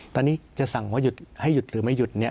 ตอนนี้จะสั่งว่าให้หยุดหรือไม่หยุด